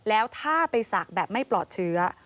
แล้วถ้าไปศักดิ์แบบไม่ปลอดเชื้อ